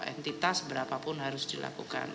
entitas berapapun harus dilakukan